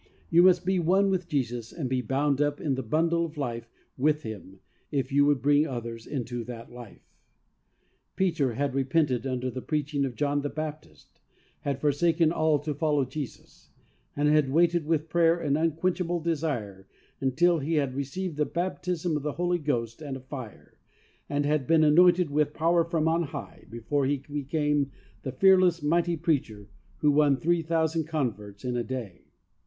You must be one with Jesus, and be "bound up in the bundle of life" with Him if you would bring others into that life. Peter had repented under the preaching of John the Baptist, had forsaken all to fol low Jesus, and had waited with prayer and unquenchable desire until he had received the baptism of the Holy Ghost and of fire, and had been anointed with power from on high, before he became the fearless, mighty preacher who won 3,000 converts in a day.